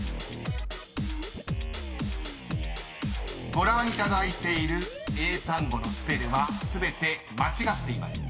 ［ご覧いただいている英単語のスペルは全て間違っています］